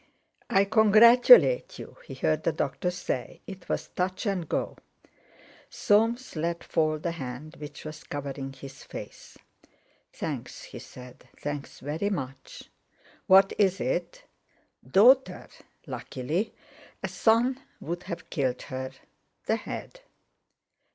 "I congratulate you," he heard the doctor say; "it was touch and go." Soames let fall the hand which was covering his face. "Thanks," he said; "thanks very much. What is it?" "Daughter—luckily; a son would have killed her—the head."